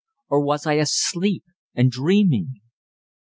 Or was I asleep and dreaming?